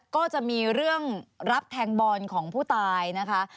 ก็จะมีเรื่องรับแทงบอลของผู้ตายนะคะ